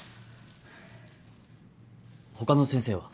他の先生は？